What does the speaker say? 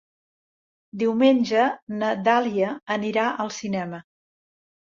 Diumenge na Dàlia anirà al cinema.